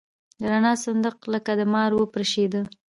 د رڼا صندوق لکه مار وپرشېده.